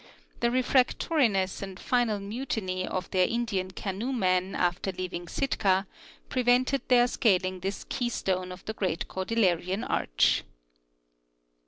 The refractoriness and final mutiny of their In Russeirs Work on Saint Ellas. 177 dian canoemen after leaving Sitka prevented their scaling this keystone of the great Cordilleran arch.